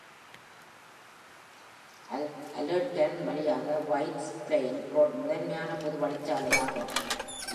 Allerton வழியாக White Plains Road முதன்மையான பொதுவழிச்சாலை ஆகும்.